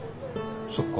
そっか。